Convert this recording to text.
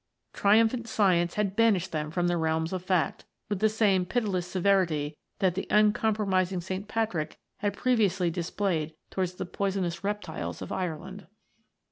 Triumphant science had banished them from the realms of fact, with the same pitiless severity that the xincompromising St. Patrick had previously displayed towards the poisonous reptiles of Ireland.